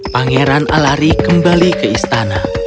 pangeran alari kembali ke istana